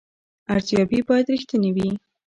ارزیابي باید رښتینې وي